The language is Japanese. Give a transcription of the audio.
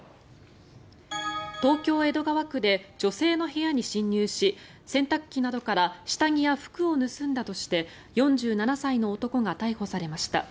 東京・江戸川区で女性の部屋に侵入し洗濯機などから下着や服を盗んだとして４７歳の男が逮捕されました。